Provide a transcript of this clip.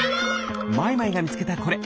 マイマイがみつけたこれ。